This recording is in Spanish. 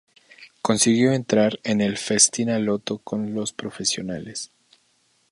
Consiguió entrar en el Festina-loto con los profesionales.